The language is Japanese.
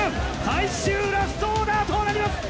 最終ラストオーダーとなります